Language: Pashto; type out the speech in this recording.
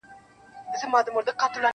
• غټ ښنګوري یې پر ځای وه د منګولو -